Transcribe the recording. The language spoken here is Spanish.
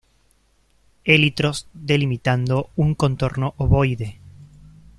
Élitros delimitando un contorno ovoide.